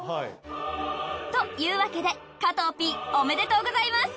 というわけで加藤Ｐおめでとうございます。